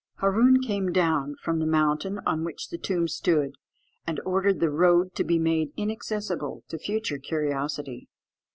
Hâroon came down from the mountain on which the tomb stood, and ordered the road to be made inaccessible to future curiosity.